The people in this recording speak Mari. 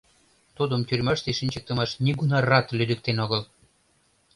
Тудым тюрьмаште шинчыктымаш нигунарат лӱдыктен огыл.